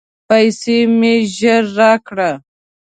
پیسې مي ژر راکړه !